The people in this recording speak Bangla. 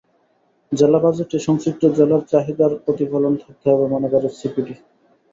জেলা বাজেটে সংশ্লিষ্ট জেলার চাহিদার প্রতিফলন থাকতে হবে মনে করে সিপিডি।